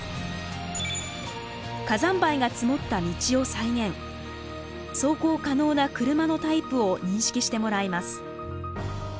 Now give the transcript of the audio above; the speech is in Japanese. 火山灰が積もった道を再現走行可能な車のタイプを認識してもらいます。